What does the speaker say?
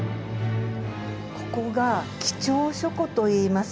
ここが「貴重書庫」といいます。